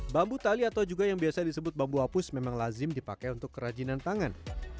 bambu tali atau juga yang biasa disebut bambu hapus memang lazim dipakai untuk kerajinan tangan